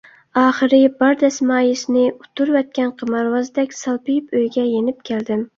ئاخىرى بار دەسمايىسىنى ئۇتتۇرۇۋەتكەن قىمارۋازدەك سالپىيىپ ئۆيگە يېنىپ كەلدىم.